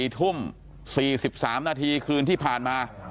๔ทุ่ม๔๓นาทีคืนที่ผ่านมา